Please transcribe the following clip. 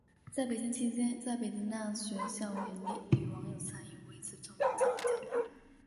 在北京期间在北京大学校园里与王有才有过一次匆匆见面交谈。